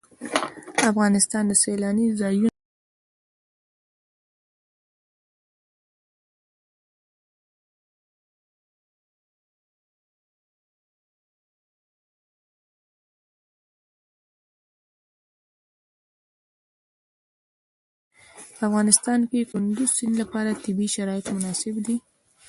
په افغانستان کې د کندز سیند لپاره طبیعي شرایط مناسب دي.